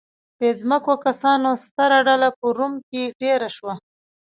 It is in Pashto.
بې ځمکو کسانو ستره ډله په روم کې دېره شوه